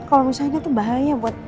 kalau misalnya tuh bahaya buat